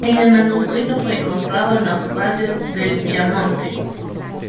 El manuscrito fue encontrado en los valles del Piamonte.